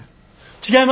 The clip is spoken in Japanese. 違います！